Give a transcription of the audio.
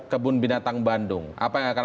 kebun binatang bandung apa yang akan